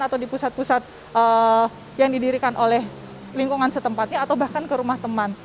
atau di pusat pusat yang didirikan oleh lingkungan setempatnya atau bahkan ke rumah teman